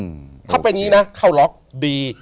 ถ้าเป็นอย่างงี้นะเข้าล็อกดี